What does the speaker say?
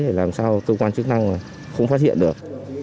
để làm sao cơ quan chức năng không phát hiện được